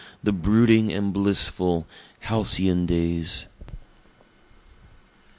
The brooding and blissful halcyon days!